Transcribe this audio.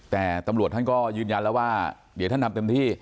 แต่ตำรวจท่านก็ยืนยันแล้วว่าเดี๋ยวท่านทำเต็มที่